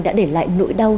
đã để lại nỗi đau